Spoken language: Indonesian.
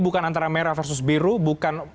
bukan antara merah versus biru bukan